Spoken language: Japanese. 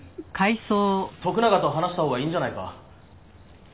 徳永と話したほうがいいんじゃないか？